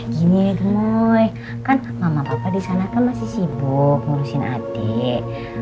gini ya gemoy kan mama papa disana kan masih sibuk ngurusin adik